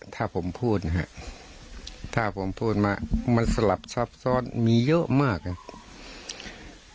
ถ้าผมพูดนะครับถ้าผมพูดมามันสลับซับซ้อนมีเยอะมากครับ